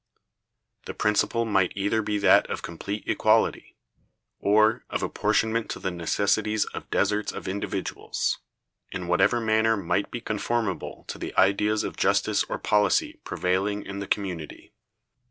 The principle might either be that of complete equality, or of apportionment to the necessities or deserts of individuals, in whatever manner might be conformable to the ideas of justice or policy prevailing in the community.